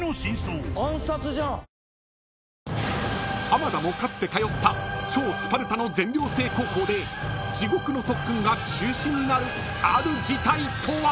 ［浜田もかつて通った超スパルタの全寮制高校で地獄の特訓が中止になるある事態とは？］